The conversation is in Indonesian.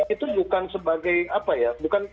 itu bukan sebagai apa ya